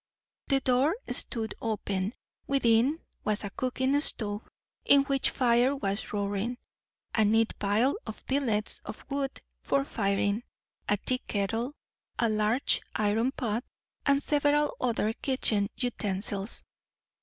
The door stood open; within was a cooking stove, in which fire was roaring; a neat pile of billets of wood for firing, a tea kettle, a large iron pot, and several other kitchen utensils.